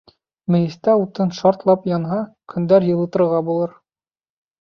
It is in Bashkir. Мейестә утын шартлап янһа, көндәр йылытырға булыр.